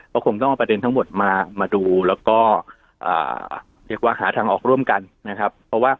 ก็คงต้องเอาประเด็นทั้งหมดมาดูแล้วก็เรียกว่าหาทางออกร่วมกันนะครับ